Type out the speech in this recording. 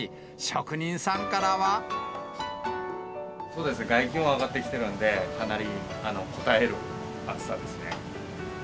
そうですね、外気温上がってきてるんで、かなりこたえる暑さですね。